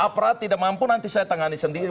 aparat tidak mampu nanti saya tangani sendiri